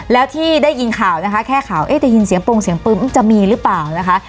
แล้วที่ได้ยินข่าวนะคะแค่ข่าวเอ๊ะได้ยินเสียงปงเสียงปึ๊มจะมีหรือเปล่านะคะ